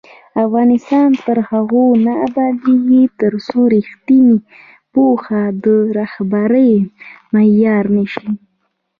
افغانستان تر هغو نه ابادیږي، ترڅو ریښتینې پوهه د رهبرۍ معیار نه شي.